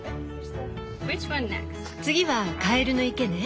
次はカエルの池ね。